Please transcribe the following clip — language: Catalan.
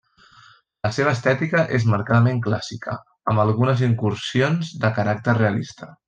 La seva estètica és marcadament clàssica, amb algunes incursions de caràcter realista.